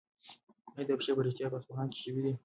آیا دا پېښې په رښتیا په اصفهان کې شوې دي؟